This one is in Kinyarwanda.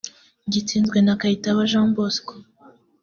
gitsinzwe na Kayitaba Jean Bosco